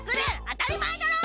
当たり前だろ！